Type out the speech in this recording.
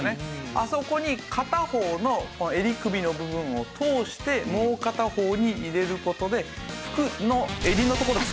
あそこに片方の襟首の部分を通してもう片方に入れる事で服の襟のところ突っ張らなくて。